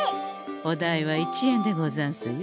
お代は１円でござんすよ。